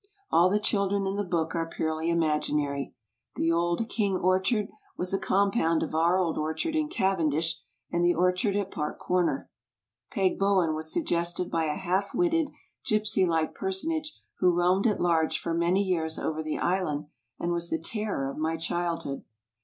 All the children in the book are purely imaginary. The old "King Orchard" was a compound of our old orchard in Cavendish and the orchard at Park Comer. "Peg Bowen" was sug gested by a half wined, gypsy like personage who roamed at large for many years over the Island and was the terror of my childhood.